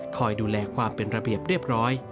คอยดูแลความเป็นระเบียบเรียบร้อย